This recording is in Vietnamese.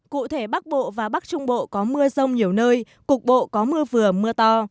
cụ thể bắc bộ và bắc trung bộ có mưa rông nhiều nơi cục bộ có mưa vừa mưa to